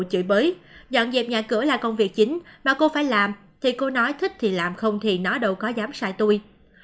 chửi bới dọn dẹp nhà cửa là công việc chính mà cô phải làm thì cô nói thích thì làm không thì nó đâu có dám sai tui